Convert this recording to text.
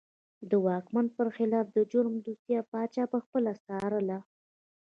د واکمن پر خلاف د جرم دوسیه پاچا پخپله څارله.